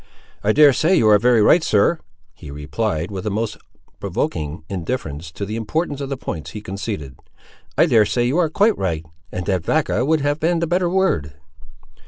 "I dare say you are very right, sir," he replied, with a most provoking indifference to the importance of the points he conceded. "I dare say you are quite right; and that vacca would have been the better word."